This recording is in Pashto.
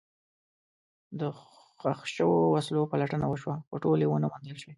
د ښخ شوو وسلو پلټنه وشوه، خو ټولې ونه موندل شوې.